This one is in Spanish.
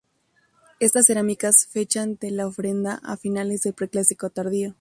Estas cerámicas fechan la ofrenda a finales del Preclásico Tardío.